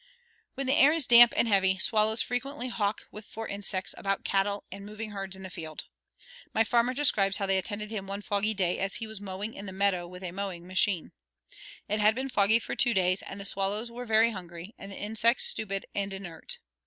When the air is damp and heavy, swallows frequently hawk for insects about cattle and moving herds in the field. My farmer describes how they attended him one foggy day, as he was mowing in the meadow with a mowing machine. It had been foggy for two days, and the swallows were very hungry, and the insects stupid and inert.